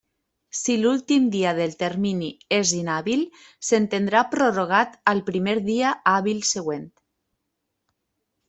Si l'últim dia del termini és inhàbil, s'entendrà prorrogat al primer dia hàbil següent.